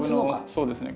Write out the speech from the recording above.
そうですね。